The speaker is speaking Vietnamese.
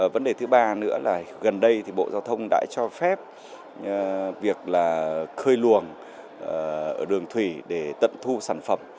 vấn đề thứ ba nữa là gần đây thì bộ giao thông đã cho phép việc là khơi luồng đường thủy để tận thu sản phẩm